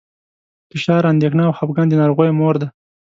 فشار، اندېښنه او خپګان د ناروغیو مور ده.